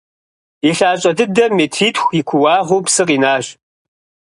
И лъащӀэ дыдэм метритху и куууагъыу псы къинащ.